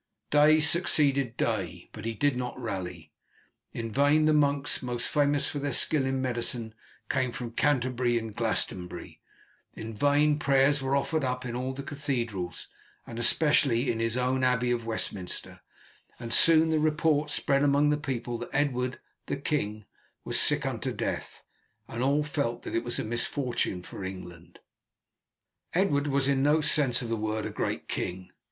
Day succeeded day, but he did not rally. In vain the monks most famous for their skill in medicine came from Canterbury and Glastonbury; in vain prayers were offered up in all the cathedrals, and especially in his own Abbey of Westminster, and soon the report spread among the people that Edward, the king, was sick unto death, and all felt that it was a misfortune for England. Edward was in no sense of the word a great king.